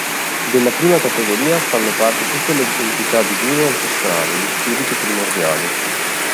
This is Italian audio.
Della prima categoria fanno parte tutte le entità divine ancestrali, gli spiriti primordiali.